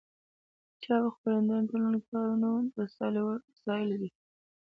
د چاپ او خپرندویه ټولنو کارونه د ستایلو دي.